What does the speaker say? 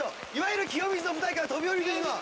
清水の舞台から飛び降りるというのは。